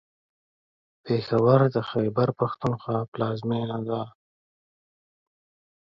پېښور د خیبر پښتونخوا پلازمېنه ده.